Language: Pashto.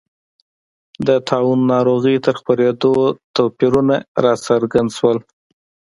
د طاعون ناروغۍ تر خپرېدو توپیرونه راڅرګند شول.